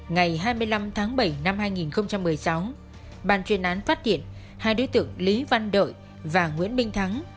ngày hai mươi năm tháng bảy năm hai nghìn một mươi sáu bàn chuyên án phát hiện hai đối tượng lý văn đợi và nguyễn minh thắng